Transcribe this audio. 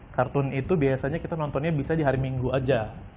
kartun itu biasanya kita nontonnya bisa di hari minggu aja